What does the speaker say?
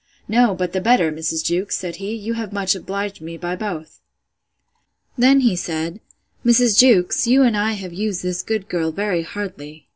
—No, but the better, Mrs. Jewkes, said he; you have much obliged me by both. Then he said, Mrs. Jewkes, you and I have used this good girl very hardly.